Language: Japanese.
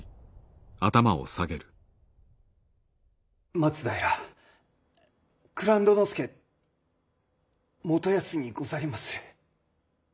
松平蔵人佐元康にござりまする。